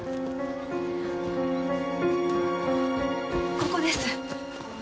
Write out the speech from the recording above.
ここです。